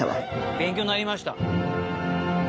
勉強になりました！